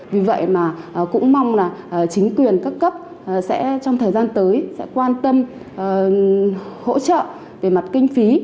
vì vậy mà cũng mong là chính quyền các cấp sẽ trong thời gian tới sẽ quan tâm hỗ trợ về mặt kinh phí